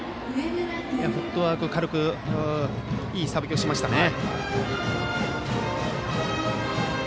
フットワーク軽くいいさばきをしましたね。